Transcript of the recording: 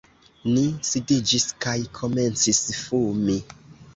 Ni sidiĝis kaj komencis fumi.